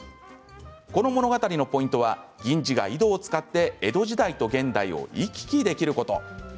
この物語のポイントは銀次が井戸を使って江戸時代と現代を行き来できること。